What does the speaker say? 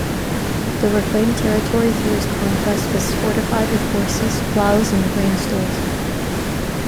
The reclaimed territory through his conquest was fortified with horses, ploughs, and grain stores.